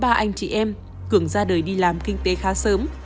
ba anh chị em cường ra đời đi làm kinh tế khá sớm